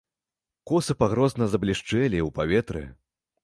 Косы пагрозна заблішчэлі ў паветры.